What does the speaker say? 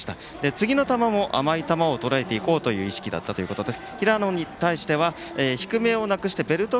次の打席も甘い球をとらえていこうという意識だったということです。